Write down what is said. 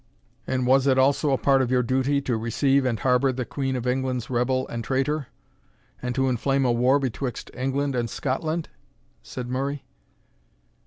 "And was it also a part of your duty to receive and harbour the Queen of England's rebel and traitor; and to inflame a war betwixt England and Scotland?" said Murray.